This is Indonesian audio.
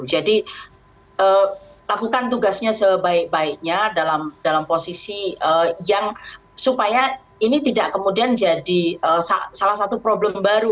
jadi lakukan tugasnya sebaik baiknya dalam posisi yang supaya ini tidak kemudian jadi salah satu problem baru